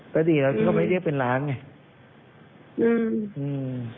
ก็ดีแล้วก็ไม่ได้เรียกเป็นล้านไงอืมอืม